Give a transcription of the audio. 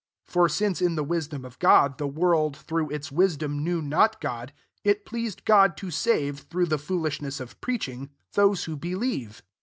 21 For since in le wisdom of God, the world irough it 9 wisdom, knew not }od, It pleased God to save, trough the foolishness of reaching, those who believe.